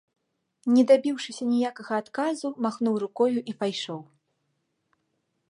Не дабіўшыся ніякага адказу, махнуў рукою і пайшоў.